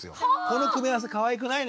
「この組み合わせかわいくない？